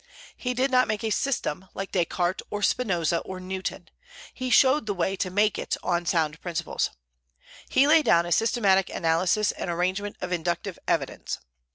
He did not make a system, like Descartes or Spinoza or Newton: he showed the way to make it on sound principles. "He laid down a systematic analysis and arrangement of inductive evidence."